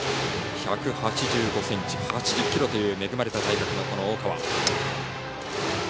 １８５ｃｍ８０ｋｇという恵まれた体格の大川。